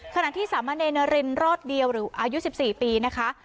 ขณะที่สามะเนรนารินรอดเดียวหรืออายุ๑๔ปีนะคะ